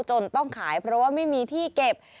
จนต้องขายเพราะว่าไม่มีที่เก็บ